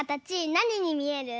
なににみえる？